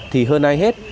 thì hơn ai hết